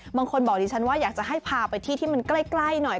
บางคนบอกดิฉันว่าอยากจะให้พาไปที่ที่มันใกล้หน่อย